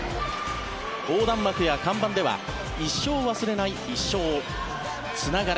横断幕や看板では「一生忘れない、一勝を。」「つながれ！